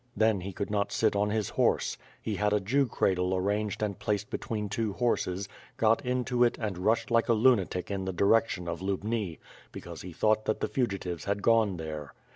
Then, he could not sit on his horse; he had a Jew cradle arranged and placed between two horses, got into it and rushed like a lunatic in the direction of Lubni, because he thought that the fugitives had gone there.